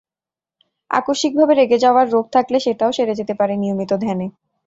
আকস্মিকভাবে রেগে যাওয়ার রোগ থাকলে সেটাও সেরে যেতে পারে নিয়মিত ধ্যানে।